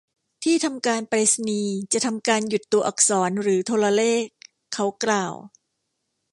ที่ทำการไปรษณีย์จะทำการหยุดตัวอักษรหรือโทรเลข เขากล่าว